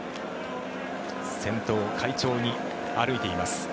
先頭を快調に歩いています。